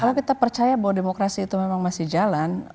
kalau kita percaya bahwa demokrasi itu memang masih jalan